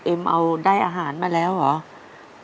เอ็มเอาได้อาหารมาแล้วเหรอ